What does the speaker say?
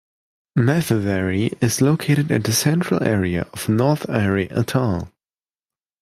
Mathiveri is located at the central area of North ari atoll.